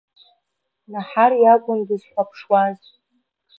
Наҳар иакәын дызхәаԥшуаз…